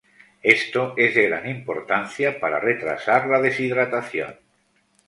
Esto es de gran importancia para retrasar la deshidratación.